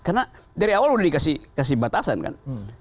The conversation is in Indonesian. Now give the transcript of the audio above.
karena dari awal sudah dikasih batasan kan